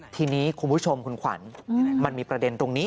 ทีนี้คุณผู้ชมคุณขวัญมันมีประเด็นตรงนี้